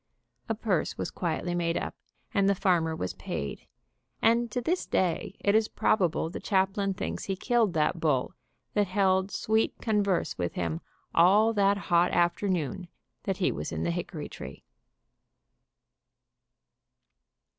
A purse was quietly made up and the farmer was paid, and to this day it is probable the chaplain thinks he killed that bull that held sweet converse with him all that hot afternoon that he was in the hickory tree.